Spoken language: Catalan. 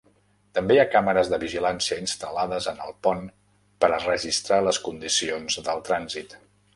També hi ha càmeres de vigilància instal·lades en el pont per a registrar les condicions del trànsit.